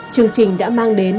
chương trình đã mang đến